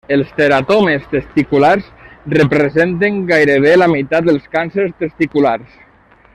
Els teratomes testiculars representen gairebé la meitat dels càncers testiculars.